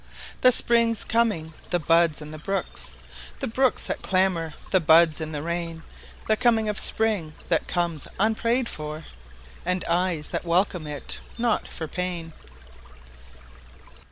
The Spring's coming, the buds and the brooks—The brooks that clamor, the buds in the rain, The coming of Spring that comes unprayed for, And eyes that welcome it not for pain!